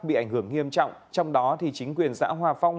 bị ảnh hưởng nghiêm trọng trong đó thì chính quyền xã hòa phong